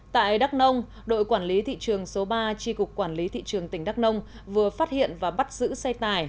tại đắk nông đội quản lý thị trường số ba tri cục quản lý thị trường tỉnh đắk nông vừa phát hiện và bắt giữ xe tải